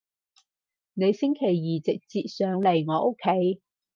你星期二直接上嚟我屋企